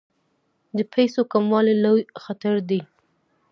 د پیسو کموالی لوی خطر دی.